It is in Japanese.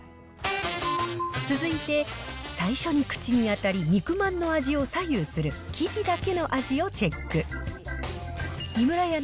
続いて最初に口に当たり、肉まんの味を左右する生地だけの味をチェック。